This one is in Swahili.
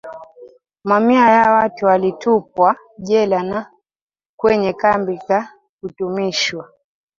Mamia ya watu walitupwa jela na kwenye kambi za kutumikishwa